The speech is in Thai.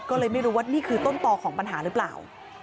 ก็เลยไม่รู้ว่านี่คือต้นต่อของปัญหาหรือเปล่า